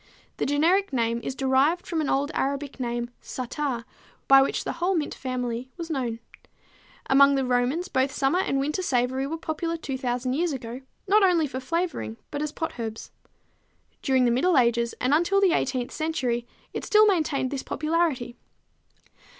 The generic name is derived from an old Arabic name, Ssattar, by which the whole mint family was known. Among the Romans both summer and winter savory were popular 2,000 years ago, not only for flavoring, but as potherbs. During the middle ages and until the 18th century it still maintained this popularity.